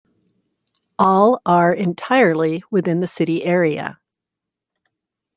All are entirely within the city area.